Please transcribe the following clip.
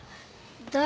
誰？